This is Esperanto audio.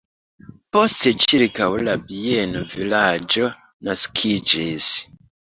Poste ĉirkaŭ la bieno vilaĝo naskiĝis.